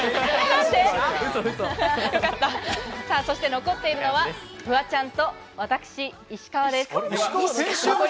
残っているのはフワちゃんと、私石川です。